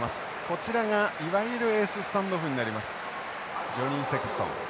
こちらがいわゆるスタンドオフになりますジョニーセクストン。